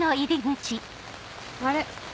あれ？